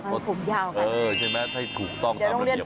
ผมเย่ากันเออใช่มั้ยให้ถูกต้อง